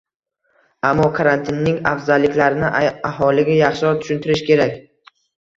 Ammo karantinning afzalliklarini aholiga yaxshiroq tushuntirish kerak